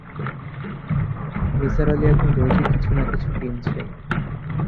নিসার আলি এখন রোজই কিছু-না-কিছু কিনছেন।